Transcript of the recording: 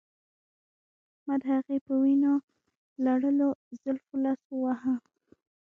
ما د هغې په وینو لړلو زلفو لاس واهه